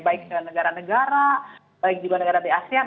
baik dengan negara negara baik juga negara di asean